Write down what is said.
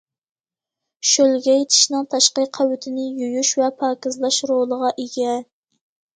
شۆلگەي چىشنىڭ تاشقى قەۋىتىنى يۇيۇش ۋە پاكىزلاش رولىغا ئىگە.